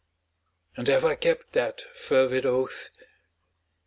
And have I kept that fervid oath?